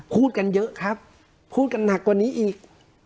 พูดกันเยอะครับพูดกันหนักกว่านี้อีก